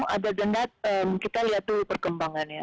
ada dengan kita lihat tuh perkembangannya